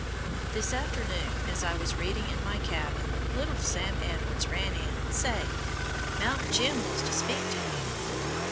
This afternoon, as I was reading in my cabin, little Sam Edwards ran in, saying, "Mountain Jim wants to speak to you."